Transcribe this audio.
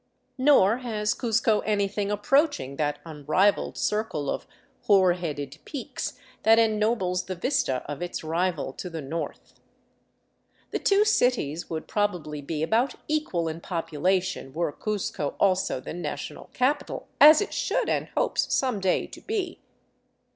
Nor has Cuzco anything approaching that unrivalled circle of hoar headed peaks that ennobles the vista of its rival to the north. The two cities would probably be about equal in population were Cuzco also the national capital — as it should and hopes some day to be.